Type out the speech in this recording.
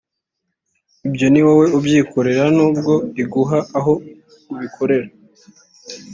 ibyo ni wowe ubyikorera nubwo iguha aho ubikorera